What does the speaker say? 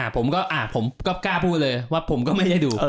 ผมก็กล้าพูดเลยว่าผมก็ไม่ได้ดู